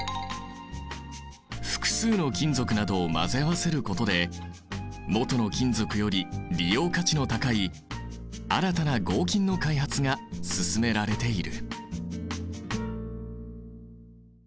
複数の金属などを混ぜ合わせることでもとの金属より利用価値の高い新たな合金の開発が進められている。